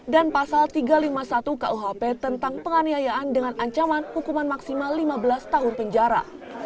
pasal tiga ratus lima puluh satu kuhp tentang penganiayaan dengan ancaman hukuman maksimal lima belas tahun penjara